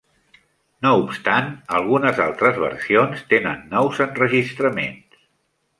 No obstant, algunes altres versions tenen nous enregistraments.